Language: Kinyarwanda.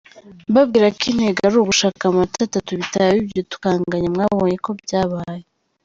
Mbambwira ko intego ari ugushaka amanota atatu bitaba ibyo tukanganya, mwabonye ko byabaye.